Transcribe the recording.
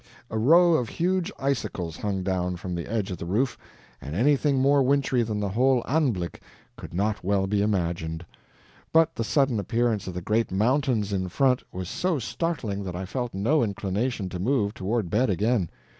A row of huge icicles hung down from the edge of the roof, and anything more wintry than the whole ANBLICK could not well be imagined; but the sudden appearance of the great mountains in front was so startling that I felt no inclination to move toward bed again.